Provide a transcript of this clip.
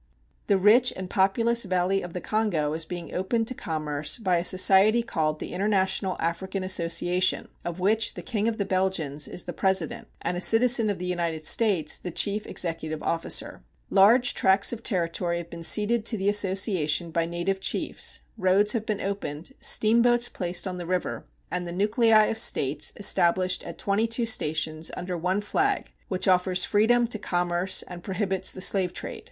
The rich and populous valley of the Kongo is being opened to commerce by a society called the International African Association, of which the King of the Belgians is the president and a citizen of the United States the chief executive officer. Large tracts of territory have been ceded to the association by native chiefs, roads have been opened, steamboats placed on the river, and the nuclei of states established at twenty two stations under one flag which offers freedom to commerce and prohibits the slave trade.